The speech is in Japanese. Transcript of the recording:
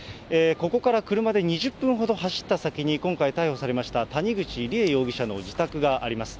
ここから車で２０分ほど走った先に、今回、逮捕されました谷口梨恵容疑者の自宅があります。